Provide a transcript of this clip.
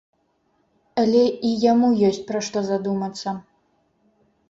Але і яму ёсць пра што задумацца.